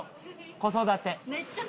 子育て。